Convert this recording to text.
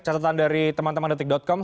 catatan dari teman teman detik com